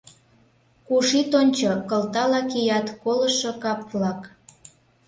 Куш ит ончо, кылтала кият колышо кап-влак.